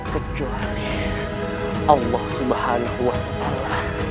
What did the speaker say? kecuali allah subhanahu wa ta'ala